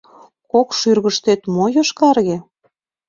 Кок шӱргыштет мо йошкарге?